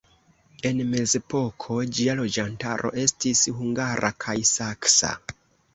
En mezepoko ĝia loĝantaro estis hungara kaj saksa.